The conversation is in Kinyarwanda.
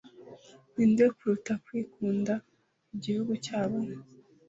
ninde kuruta kwikunda igihugu cyabo,